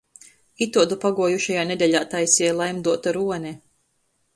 Ituodu paguojušajā nedeļā taiseja Laimdota Rone.